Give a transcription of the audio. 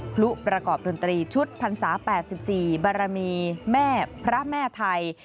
พลุประกอบดนตรีชุดพรรษา๘๔บารมีแม่พระแม่ไทย